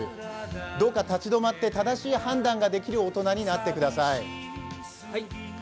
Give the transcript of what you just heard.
どうか立ち止まって、正しい判断ができる大人になってください。